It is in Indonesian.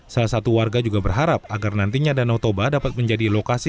salah satu warga juga berharap agar nantinya danau toba dapat menjadi lokasi